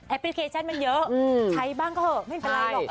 พลิเคชันมันเยอะใช้บ้างก็เถอะไม่เป็นไรหรอก